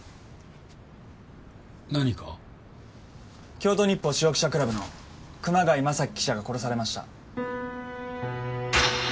京都日報司法記者クラブの熊谷正樹記者が殺されました。